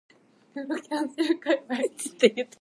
お風呂がめんどくさい